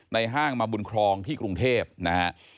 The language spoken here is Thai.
ห้างมาบุญครองที่กรุงเทพนะฮะ